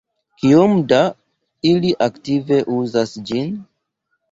Kiom da ili aktive uzas ĝin?